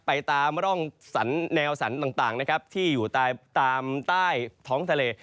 ไปตามร่องแนวสันต่างนะครับที่อยู่ตามใต้ท้องทะเล